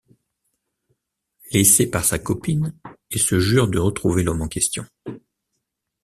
Laissé par sa copine, il se jure de retrouver l'homme en question.